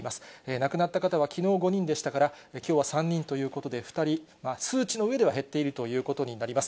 亡くなった方はきのう５人でしたから、きょうは３人ということで、２人数値の上では減っているということになります。